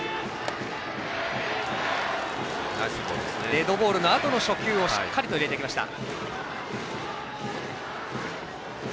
デッドボールのあとの初球をしっかり入れていきました。